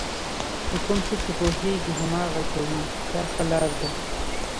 په کوم څه چې پوهېږئ هماغه کوئ دا ښه لار ده.